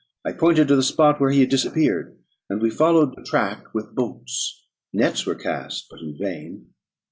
I pointed to the spot where he had disappeared, and we followed the track with boats; nets were cast, but in vain.